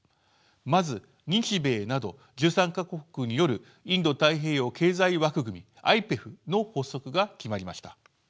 まず日米など１３か国によるインド太平洋経済枠組みＩＰＥＦの発足が決まりました。